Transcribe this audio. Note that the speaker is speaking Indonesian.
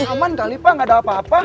aman kali pak nggak ada apa apa